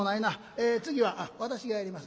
え次は私がやります。